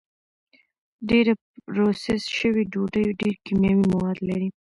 ډېره پروسس شوې ډوډۍ ډېر کیمیاوي مواد لري.